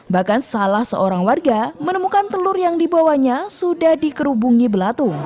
bahkan salah seorang warga menemukan telur yang dibawanya sudah dikerubungi belatung